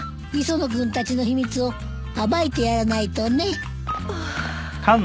磯野君たちの秘密を暴いてやらないとね。